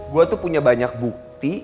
gue tuh punya banyak bukti